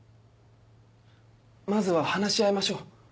まずは話し合いましょう。